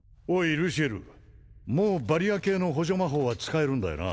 ルシエルもうバリア系の補助魔法は使えるんだよな？